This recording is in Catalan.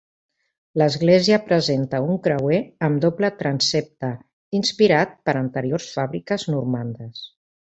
L'església presenta un creuer amb doble transsepte, inspirat per anteriors fàbriques normandes.